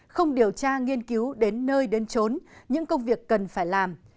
không điều tra nghiên cứu đến nơi đến trốn những công việc cần phải làm